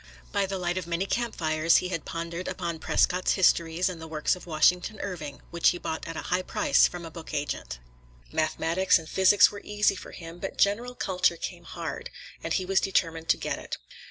By the light of many camp fires he had pondered upon Prescott's histories, and the works of Washington Irving, which he bought at a high price from a book agent. Mathematics and physics were easy for him, but general culture came hard, and he was determined to get it.